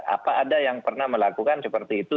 apa ada yang pernah melakukan seperti itu